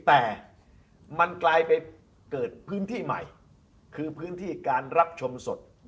แต่มันกลายไปเกิดพื้นที่ใหม่คือพื้นที่การรับชมสด